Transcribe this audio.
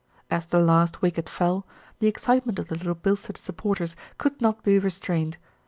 As the last wicket fell, the excitement of the Little Bilstead supporters could not be restrained.